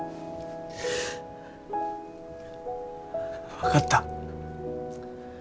分かった。